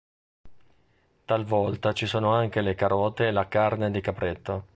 Talvolta ci sono anche le carote e la carne di capretto.